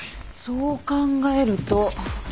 そう考えると。